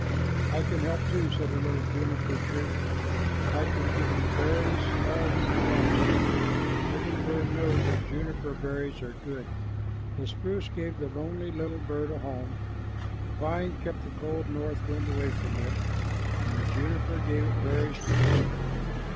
"I can help too," said a little juniper tree. "I can give you berries all winter long, and every bird knows that juniper berries are good." So the spruce gave the lonely little bird a home, the pine kept the cold north wind away from it, and the juniper gave it berries to eat.